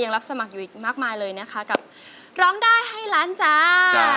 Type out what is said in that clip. รับสมัครอยู่อีกมากมายเลยนะคะกับร้องได้ให้ล้านจ้า